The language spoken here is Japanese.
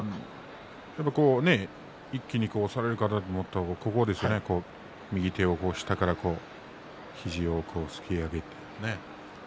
一気に押されるかと思ったらここで右手を下から肘を突き上げて。